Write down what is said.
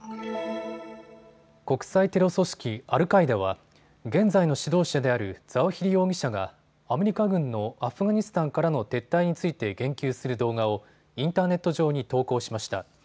国際テロ組織アルカイダは現在の指導者であるザワヒリ容疑者がアメリカ軍のアフガニスタンからの撤退について言及する動画をインターネット上に投稿しました。